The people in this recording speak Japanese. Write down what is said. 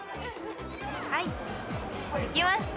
はいできました